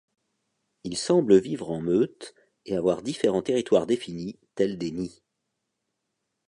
Ils semblent vivre en meute et avoir différents territoires définis, tels des nids.